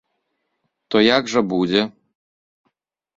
То як жа будзе?